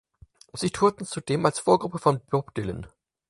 Sie tourte zudem als Vorgruppe von Bob Dylan.